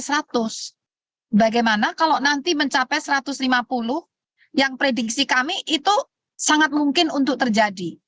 hai bagaimana kalau nanti mencapai satu ratus lima puluh yang prediksi kami itu sangat mungkin untuk terjadi